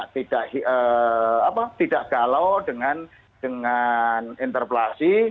tidak galau dengan interpelasi